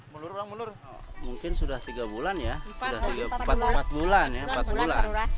mungkin sudah tiga bulan ya empat bulan ya